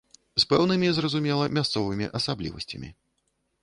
З пэўнымі, зразумела, мясцовымі асаблівасцямі.